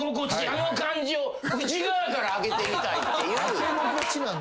あの感じを内側から開けてみたいっていう。